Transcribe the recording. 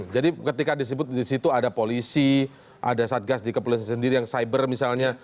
jadi ketika disebut disitu ada polisi ada satgas dikepolisian sendiri yang cyber misalnya